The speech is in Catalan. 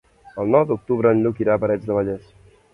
El nou d'octubre en Lluc irà a Parets del Vallès.